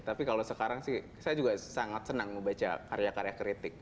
tapi kalau sekarang sih saya juga sangat senang membaca karya karya kritik